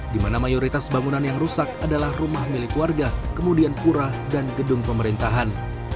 di mana mayoritas bangunan yang rusak adalah rumah milik warga kemudian pura dan gedung pemerintahan